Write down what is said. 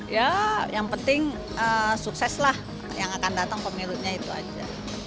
ya yang penting sukses lah yang akan datang pemilunya itu aja